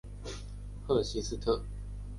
赫希斯特是德国黑森州的一个市镇。